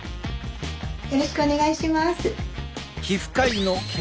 よろしくお願いします！